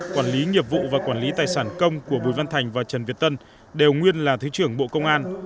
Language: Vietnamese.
quản lý nghiệp vụ và quản lý tài sản công của bùi văn thành và trần việt tân đều nguyên là thứ trưởng bộ công an